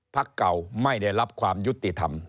พักเก่าไม่ได้รับความยุติธรรม